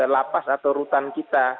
lapas atau rutan kita